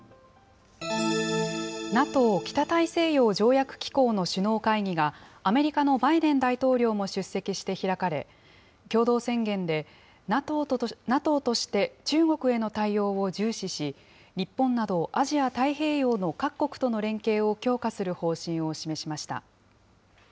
ＮＡＴＯ・北大西洋条約機構の首脳会議が、アメリカのバイデン大統領も出席して開かれ、共同宣言でＮＡＴＯとして中国への対応を重視し、日本などアジア太平洋の各国との連携を強化する方針を示しました。